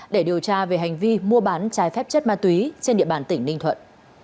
để điều tra về hành vi mua bán trái phép chất ma túy trên địa bàn tỉnh ninh thuận